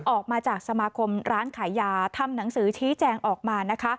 ออกมาจากสมาคมร้านขายยาทำหนังสือชี้แจงออกมานะคะ